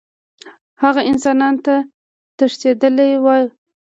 هغه افغانستان ته تښتېدلی وو.